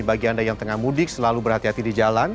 bagi anda yang tengah mudik selalu berhati hati di jalan